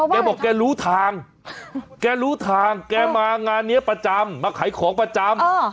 แกบอกแกรู้ทางแกรู้ทางแกมางานนี้ประจำมาขายของประจำ